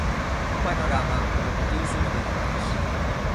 O panorama repetiuse unha vez máis.